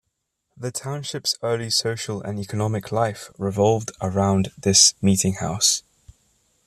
The township's early social and economic life revolved around this Meeting House.